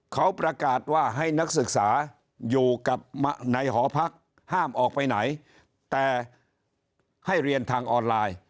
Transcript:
เขาประกาศว่าให้นักศึกษาอยู่กับในหอพักห้ามออกไปไหนแต่ให้เรียนทางออนไลน์